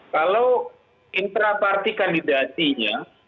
kalau intraparti kandidasinya tidak isi tas